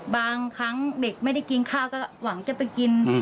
บางครั้งเด็กไม่ได้กินข้าวก็หวังจะไปกิน